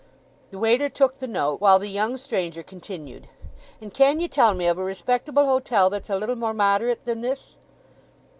The waiter took the note, while the young stranger continued— "And can ye tell me of a respectable hotel that's a little more moderate than this?"